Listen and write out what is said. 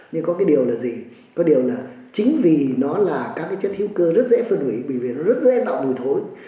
nhưng có điều là chính vì nó là các chất hữu cơ rất dễ phân hủy vì nó rất dễ tạo mùi thối